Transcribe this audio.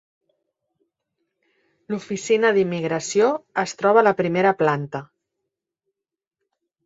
L'oficina d'immigració es troba a la primera planta.